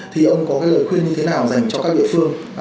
thì ông có cái lời khuyên như thế nào dành cho các địa phương